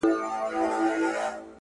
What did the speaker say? • او له دغه امله یې ,